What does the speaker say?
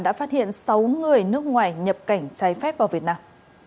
đã phát hiện sáu người nước ngoài nhập cảnh trái phép vào việt nam